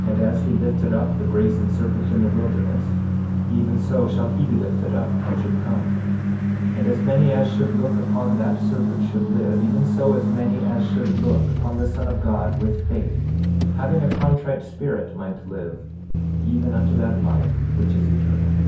And as he lifted up the brazen serpent in the wilderness, even so shall he be lifted up who should come. 8:15 And as many as should look upon that serpent should live, even so as many as should look upon the Son of God with faith, having a contrite spirit, might live, even unto that life which is eternal.